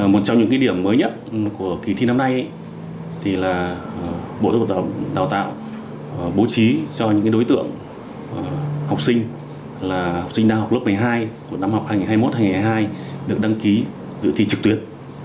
một trong những điểm mới nhất của kỳ thi năm nay thì là bộ giáo dục đào tạo bố trí cho những đối tượng học sinh là học sinh năm học lớp một mươi hai của năm học hai nghìn hai mươi một hai nghìn hai mươi hai được đăng ký dự thi trực tuyến